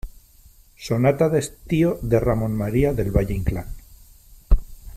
sonata de estío de Ramón María del Valle-Inclán .